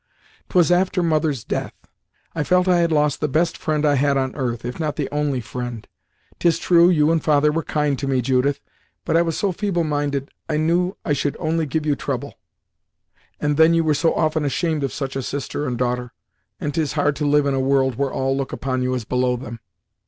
"'Twas after mother's death; I felt I had lost the best friend I had on earth, if not the only friend. 'Tis true, you and father were kind to me, Judith, but I was so feeble minded, I knew I should only give you trouble; and then you were so often ashamed of such a sister and daughter, and 'tis hard to live in a world where all look upon you as below them.